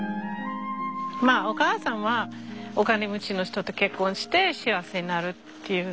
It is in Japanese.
まあお母さんはお金持ちの人と結婚して幸せになるっていう。